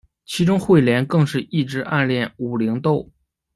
其中彗莲更是一直暗恋武零斗。